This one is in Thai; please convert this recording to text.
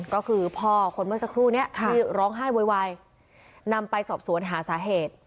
ก็คือพ่อคนเมื่อสักครู่นี้ที่ร้องไห้โวยวายนำไปสอบสวนหาสาเหตุ